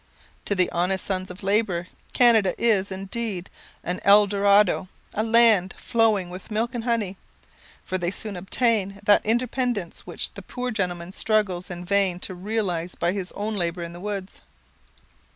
To the honest sons of labour Canada is, indeed, an El Dorado a land flowing with milk and honey; for they soon obtain that independence which the poor gentleman struggles in vain to realise by his own labour in the woods.